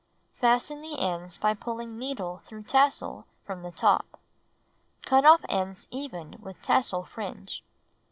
Fasten the ends by pulling needle through tassel from the top. Cut off ends even with tassel fringe.